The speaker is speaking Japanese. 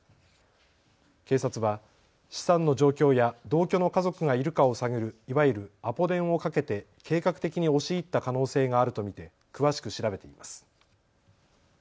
警察は資産の状況や同居の家族がいるかを探るいわゆるアポ電をかけて計画的に押し入った可能性があると見て詳しく調べています。